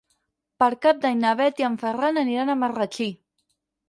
Per Cap d'Any na Bet i en Ferran aniran a Marratxí.